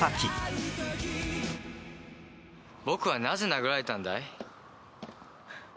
僕はなぜ殴られたんだい？